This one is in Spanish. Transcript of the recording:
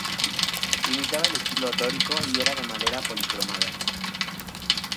Imitaba el estilo dórico y era de madera policromada.